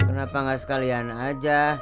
kenapa gak sekalian aja